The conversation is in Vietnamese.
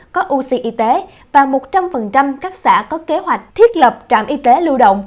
có oxy y tế và một trăm linh các xã có kế hoạch thiết lập trạm y tế lưu động